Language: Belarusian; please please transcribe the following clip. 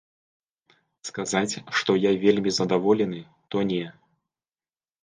Сказаць, што я вельмі задаволены, то не.